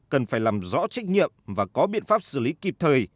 cần phải làm rõ trách nhiệm và có biện pháp xử lý kịp thời